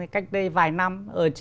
cách đây vài năm